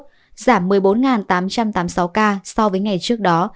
giảm một mươi bốn tám trăm tám mươi sáu ca so với ngày trước đó